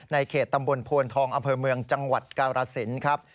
ในเขตตำบลพวนทองอำเภอเมืองจังหวัดการาศิลป์ครับ